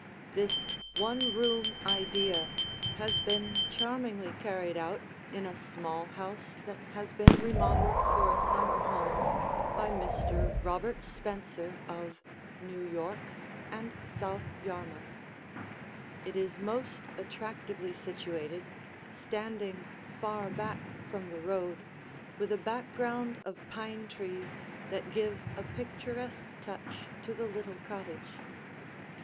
[Illustration: THE ROBERT SPENCER HOUSE ON CAPE COD] This one room idea has been charmingly carried out in a small house that has been remodeled for a summer home by Mr. Robert Spencer of New York and South Yarmouth. It is most attractively situated, standing far back from the road, with a background of pine trees that give a picturesque touch to the little cottage.